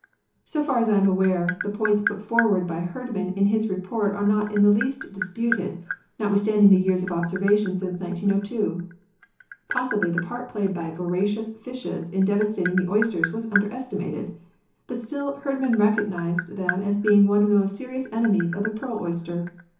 So far as I am aware, the points put forward by Herdman in his report are not in the least disputed, notwithstanding the years of observation since 1902. Possibly the part played by voracious fishes in devastating the oysters was underestimated, but still Herdman recognised them as being one of the most serious enemies of the pearl oyster.